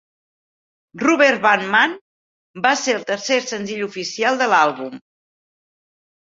"Rubber Band Man" va ser el tercer senzill oficial de l'àlbum.